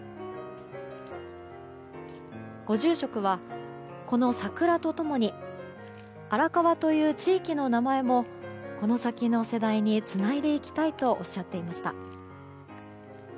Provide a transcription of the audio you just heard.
ご住職は、この桜と共に荒川という地域の名前もこの先の世代につないでいきたいとおっしゃっていました。